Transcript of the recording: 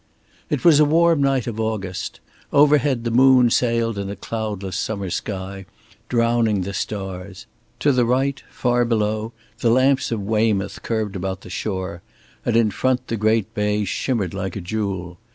It was a warm night of August. Overhead the moon sailed in a cloudless summer sky, drowning the stars. To the right, far below, the lamps of Weymouth curved about the shore; and in front the great bay shimmered like a jewel.